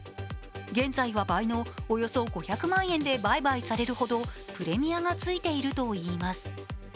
現在は倍のおよそ５００万円で売買されるほどプレミアがついているといいます。